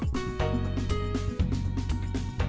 quý vị và các bạn